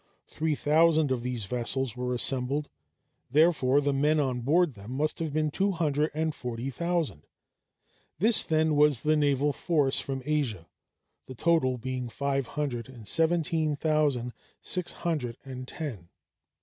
Three thousand of these vessels were assembled; therefore the men on board them must have been two hundred and forty thousand. This, then, was the naval force from Asia, the total being five hundred and seventeen thousand six hundred and ten.